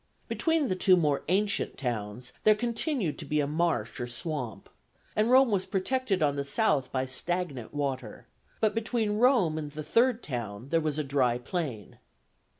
Between the two more ancient towns there continued to be a marsh or swamp, and Rome was protected on the south by stagnant water; but between Rome and the third town there was a dry plain.